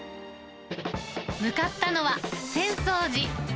向かったのは浅草寺。